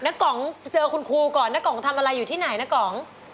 กองเจอคุณครูก่อนน้ากล่องทำอะไรอยู่ที่ไหนนะกอง